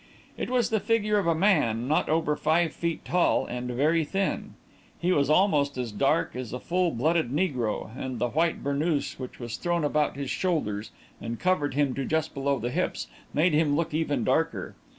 It was the figure of a man, not over five feet tall and very thin. He was almost as dark as a full blooded negro, and the white burnoose which was thrown about his shoulders and covered him to just below the hips, made him look even darker.